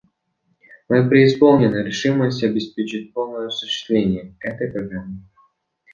Мы преисполнены решимости обеспечить полное осуществление этой программы.